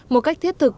một cách thiết thực